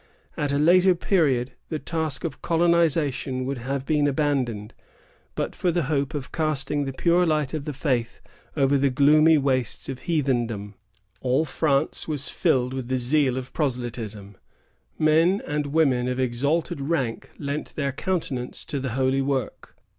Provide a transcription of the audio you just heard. At a later period, the task of colonization would have been abandoned, but for the hope of casting the pure light of the faith over the gloomy wastes of heathendom. All France was filled with the zeal of proselytism. Men and women of exalted rank lent their countenance to the holy work.